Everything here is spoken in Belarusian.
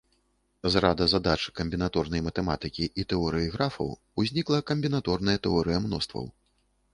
З рада задач камбінаторнай матэматыкі і тэорыі графаў узнікла камбінаторная тэорыя мностваў.